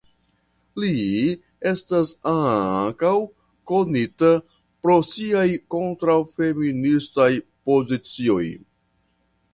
Li estas ankaŭ konita pro siaj kontraŭfeministaj pozicioj.